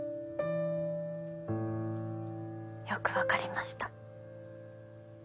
よく分かりました。